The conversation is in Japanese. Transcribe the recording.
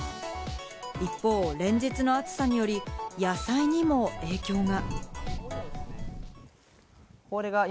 一方、連日の暑さにより、野菜にも影響が。